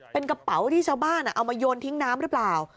เป็นกระเป๋าที่ชาวบ้านเอามาโยนทิ้งน้ำหรือเปล่า